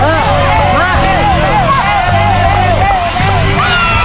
เร็วเร็วเร็ว